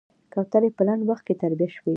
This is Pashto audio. کوترې په لنډ وخت کې تربيه شوې.